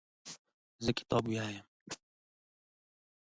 زه کتاب لولم.